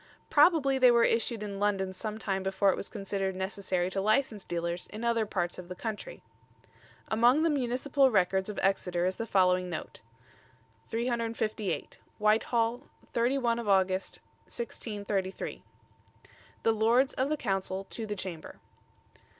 Probably they were issued in London some time before it was considered necessary to license dealers in other parts of the country. Among the Municipal Records of Exeter is the following note: "358. Whitehall, 31 August 1633. The Lords of the Council to the Chamber.